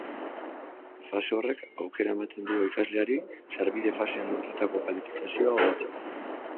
Fase horrek aukera ematen dio ikasleari sarbide fasean lortutako kalifikazioa hobetzeko.